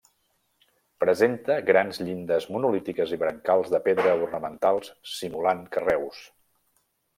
Presenta grans llindes monolítiques i brancals de pedra ornamentals simulant carreus.